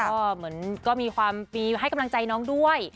ก็เหมือนก็มีความให้กำลังใจน้องด้วย